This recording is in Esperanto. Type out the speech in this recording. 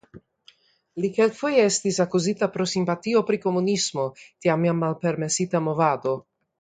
Li kelkfoje estis akuzita pro simpatio pri komunismo (tam jam malpermesita movado).